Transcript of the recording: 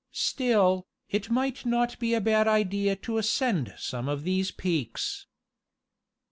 Still, it might not be a bad idea to ascend some of these peaks."